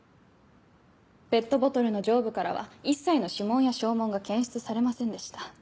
ペットボトルの上部からは一切の指紋や掌紋が検出されませんでした。